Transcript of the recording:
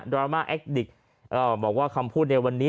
รามาแอคดิกบอกว่าคำพูดในวันนี้